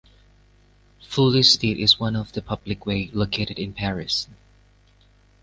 Fleury street is one of the public way located in Paris.